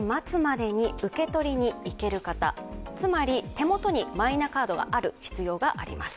手元にマイナカードがある必要があります。